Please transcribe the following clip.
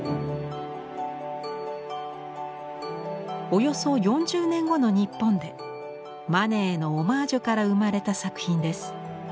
およそ４０年後の日本でマネへのオマージュから生まれた作品です。